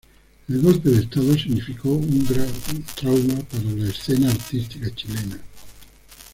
El golpe de Estado significó un grave trauma para la escena artística chilena.